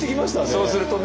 そうするとね。